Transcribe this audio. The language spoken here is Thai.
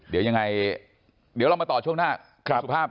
เดี๋ยวยังไงเดี๋ยวเรามาต่อช่วงหน้าคุณสุภาพ